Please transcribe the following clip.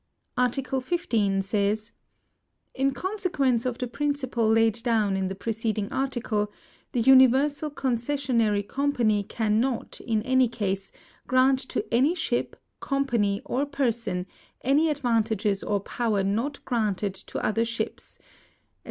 •.. Article 1 5 says : In consequence of the principle laid down in the preceding article, the Universal Concessionary Company can not, in any case, grant to any ship, company, or person, any advantages or power not granted to other ships, &c.